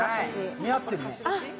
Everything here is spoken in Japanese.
似合ってるね。